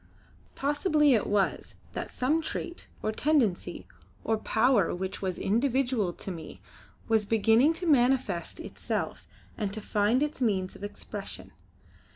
Possibly it was, that some trait, or tendency, or power which was individual to me was beginning to manifest itself and to find its means of expression.